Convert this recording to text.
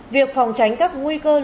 việc phòng tránh các nguy cơ lửa đánh